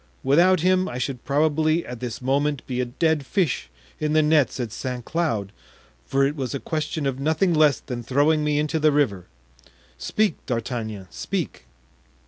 Without him I should probably at this moment be a dead fish in the nets at Saint Cloud, for it was a question of nothing less than throwing me into the river. Speak, D'Artagnan, speak."